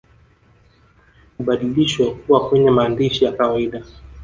Hubadilishwa kuwa kwenye maandishi ya kawaida